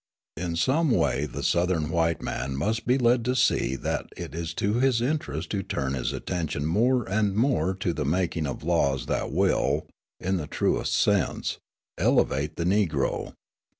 In some way the Southern white man must be led to see that it is to his interest to turn his attention more and more to the making of laws that will, in the truest sense, elevate the Negro.